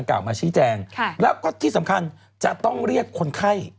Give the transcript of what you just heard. น่าจะตัวพี่ผู้ชายที่เป็นของคนไข้